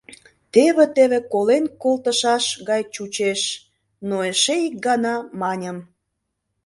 Теве-теве колен колтышаш гай чучеш, но эше ик гана маньым: